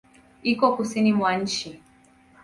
Iko Kusini mwa nchi.